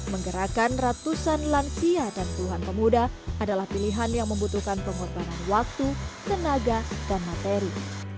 menggerakkan ratusan lansia dan tuhan pemuda adalah pilihan yang membutuhkan pengorbanan waktu tenaga dan materi